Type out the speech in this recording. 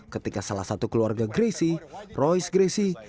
ketika salah satu keluarga gracie royce gracie